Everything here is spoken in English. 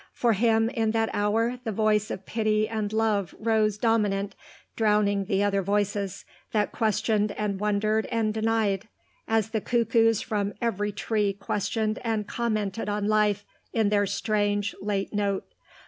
For him in that hour the voice of pity and love rose dominant, drowning the other voices, that questioned and wondered and denied, as the cuckoos from every tree questioned and commented on life in their strange, late note.